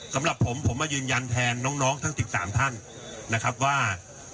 สำหรับผมผมมายืนยันแทนน้องทั้ง๑๓ท่านนะครับว่า